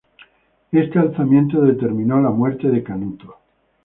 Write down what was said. Este alzamiento determinó la muerte de Canuto.